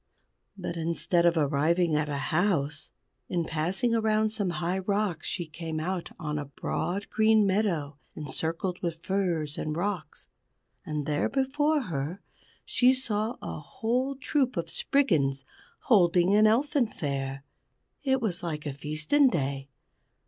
But instead of arriving at a house, in passing around some high rocks she came out on a broad green meadow, encircled with furze and rocks. And there before her she saw a whole troop of Spriggans holding an Elfin Fair. It was like a feasten day.